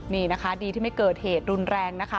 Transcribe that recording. นี่นะคะดีที่ไม่เกิดเหตุรุนแรงนะคะ